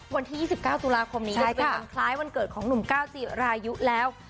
วันที่๒๙ตุลาคมนี้จะเป็นวันคล้ายวันเกิดของหนุ่มก้าวจิรายุแล้ว